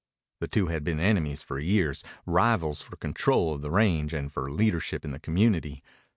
The two had been enemies for years, rivals for control of the range and for leadership in the community.